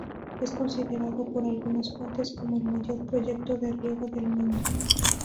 Es considerado por algunas fuentes como el mayor proyecto de riego del mundo.